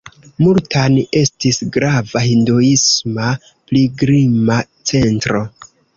Multan estis grava hinduisma pilgrima centro.